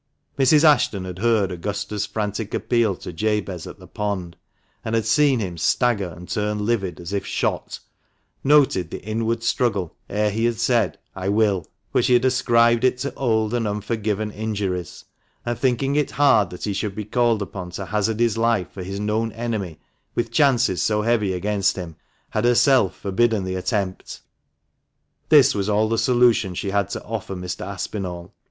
Mrs. Ashton had heard Augusta's frantic appeal to Jabez at the pond, had seen him stagger and turn livid as if shot, noted the inward struggle ere he said, " I will ;" but she had ascribed it to old and unforgiven injuries, and thinking it hard that he should be called upon to hazard his life for his known enemy with chances so heavy against him, had herself forbidden the attempt. This was all the solution she had to offer Mr. Aspinall.